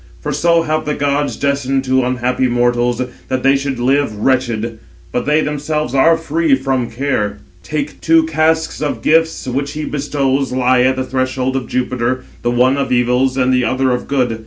For so have the gods destined to unhappy mortals, that they should live wretched; but they themselves are free from care. 795 Two casks of gifts, 796which he bestows, lie at the threshold of Jupiter, [the one] of evils, and the other of good.